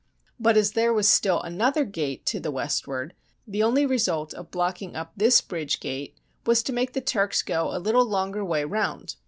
But as there was still another gate to the west ward, the only result of blocking up this bridge gate was to make the Turks go a little longer way round.